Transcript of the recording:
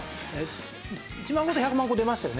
１万個と１００万個出ましたよね？